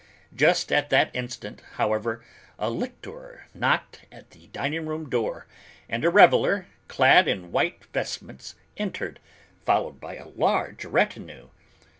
Just at that instant, however, a lictor knocked at the dining room door, and a reveler, clad in white vestments, entered, followed by a large retinue.